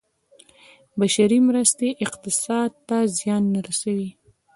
بشري مرستې اقتصاد ته زیان نه رسوي.